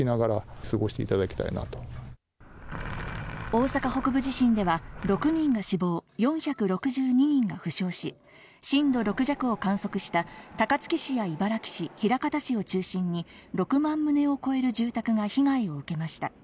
大阪北部地震では６人が死亡、４６２人が負傷し、震度６弱を観測した高槻市や茨木市、枚方市を中心に６万棟を超える住宅が被害を受けました。